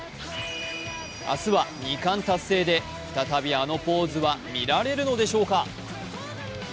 明日は２冠達成で再び、あのポーズは見られるのでしょうか。